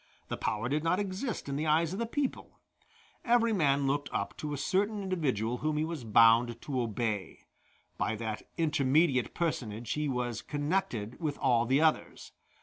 That power did not exist in the eyes of the people: every man looked up to a certain individual whom he was bound to obey; by that intermediate personage he was connected with all the others.